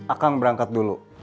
akang berangkat dulu